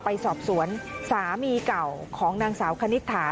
ไปสอบสวนสามีเก่าของนางสาวคณิตถา